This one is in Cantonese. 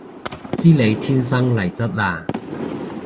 知你天生麗質嘞